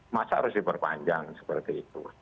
masa harus diperpanjang seperti itu